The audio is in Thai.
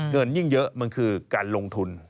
เงินยิ่งเยอะมันคือการลงทุน